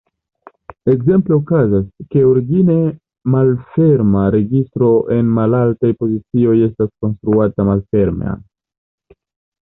Ekzemple okazas, ke origine malferma registro en malaltaj pozicioj estas konstruata malferma.